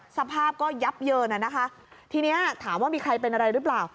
สภาพก็ยับเยินอ่ะนะคะทีนี้ถามว่ามีใครเป็นอะไรหรือเปล่า